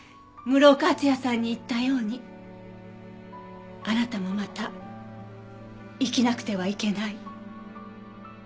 室岡厚也さんに言ったようにあなたもまた生きなくてはいけない。